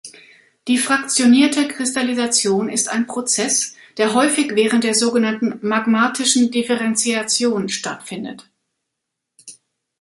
Die fraktionierte Kristallisation ist ein Prozess, der häufig während der sogenannten magmatischen Differentiation stattfindet.